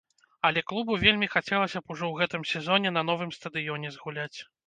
Але клубу вельмі хацелася б ужо ў гэтым сезоне на новым стадыёне згуляць.